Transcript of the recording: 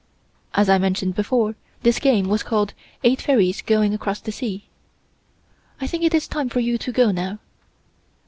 As I mentioned before, this game was called "Eight Fairies Going across the Sea." "I think it is time for you to go now."